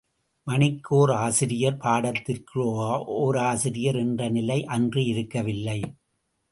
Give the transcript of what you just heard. மணிக்கு ஓர் ஆசிரியர், பாடத்திற்கு ஓர் ஆசிரியர் என்ற நிலை அன்று இருக்கவில்லை.